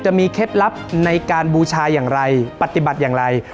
เคล็ดลับในการบูชาอย่างไรปฏิบัติอย่างไร